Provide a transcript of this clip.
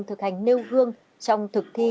thực hành nêu gương trong thực thi